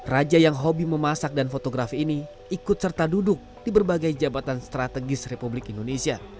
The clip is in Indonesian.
raja yang hobi memasak dan fotografi ini ikut serta duduk di berbagai jabatan strategis republik indonesia